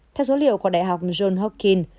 theo dữ liệu của đại học john hawking